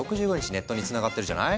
ネットにつながってるじゃない？